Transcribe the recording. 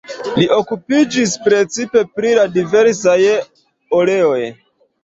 Li okupiĝis precipe pri la diversaj oleoj.